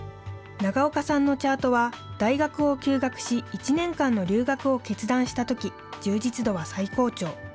長岡さんのチャートは、大学を休学し、１年間の留学を決断したとき、充実度は最高潮。